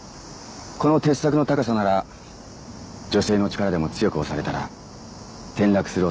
この鉄柵の高さなら女性の力でも強く押されたら転落する恐れがあります。